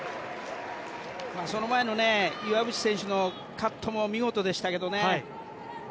その前の岩渕選手のカットも見事でしたけどね。